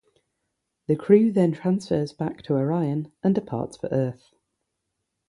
The crew then transfers back to Orion and departs for Earth.